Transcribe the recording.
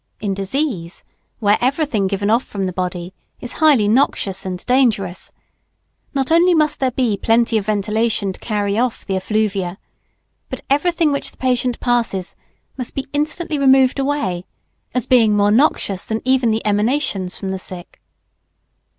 In disease where everything given off from the body is highly noxious and dangerous, not only must there be plenty of ventilation to carry off the effluvia, but everything which the patient passes must be instantly removed away, as being more noxious than even the emanations from the sick.